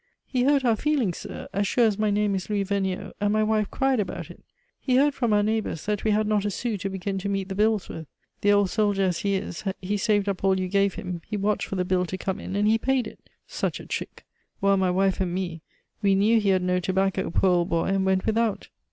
"He hurt our feelings, sir, as sure as my name is Louis Vergniaud, and my wife cried about it. He heard from our neighbors that we had not a sou to begin to meet the bills with. The old soldier, as he is, he saved up all you gave him, he watched for the bill to come in, and he paid it. Such a trick! While my wife and me, we knew he had no tobacco, poor old boy, and went without.